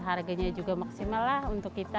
harganya juga maksimal lah untuk kita